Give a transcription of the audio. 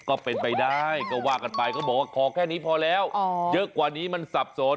ก็เป็นไปได้ก็ว่ากันไปเขาบอกว่าขอแค่นี้พอแล้วเยอะกว่านี้มันสับสน